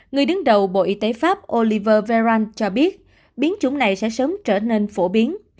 người đứng đầu bộ y tế pháp oliver venaland cho biết biến chủng này sẽ sớm trở nên phổ biến